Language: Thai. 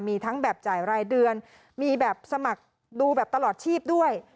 มีทั้งแบบจ่ายรายเดือนมีแบบสมัครดูแบบตลอดชีพด้วย